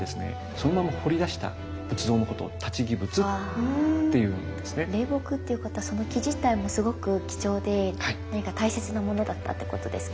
そのまま彫り出した仏像のことを霊木っていうことはその木自体もすごく貴重で何か大切なものだったってことですか？